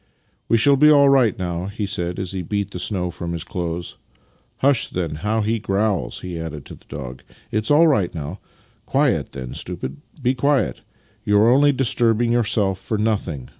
" We shall be all right now," he said as he beat the snow from his clothes. " Hush, then, how he growls! " he added to the dog. "It is all right now. Quiet, then, stupid! Be quiet! You are only disturbing yourself for nothing.